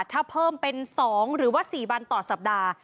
ถ้าเพิ่มเป็น๒หรือว่า๔วันต่อสัปดาห์